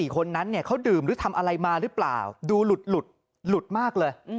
คนนั้นเขาดื่มหรือทำอะไรมาหรือเปล่าดูหลุดมากเลย